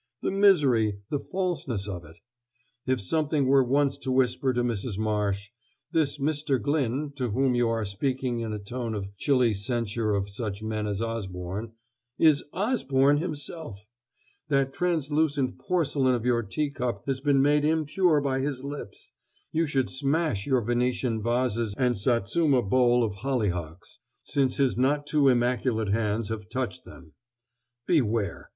the misery, the falseness of it. If something were once to whisper to Mrs. Marsh, "this Mr. Glyn, to whom you are speaking in a tone of chilly censure of such men as Osborne, is Osborne himself; that translucent porcelain of your teacup has been made impure by his lips; you should smash your Venetian vases and Satsuma bowl of hollyhocks, since his not too immaculate hands have touched them: beware!